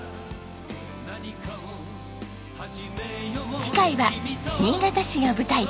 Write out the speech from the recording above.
次回は新潟市が舞台。